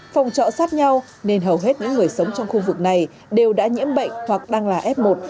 phòng trọ sát nhau nên hầu hết những người sống trong khu vực này đều đã nhiễm bệnh hoặc đang là f một